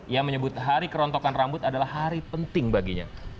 ia menyebut hari kerontokan rambut adalah hari penting baginya